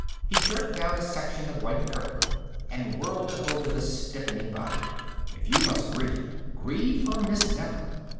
He jerked down a section of white curtain and whirled it over the stiffening body. "If you must grieve, grieve for Miss Nefer!